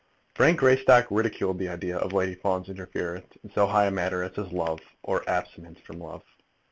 Frank Greystock ridiculed the idea of Lady Fawn's interference in so high a matter as his love, or abstinence from love.